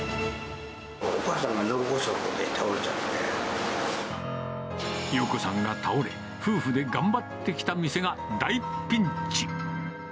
お母さんが脳梗塞で倒れちゃ洋子さんが倒れ、夫婦で頑張ってきた店が大ピンチ。